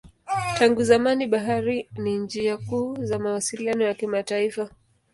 Tangu zamani bahari ni njia kuu za mawasiliano ya kimataifa.